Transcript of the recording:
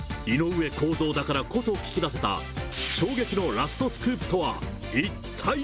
井上公造だからこそ聞き出せた、衝撃のラストスクープとは一体？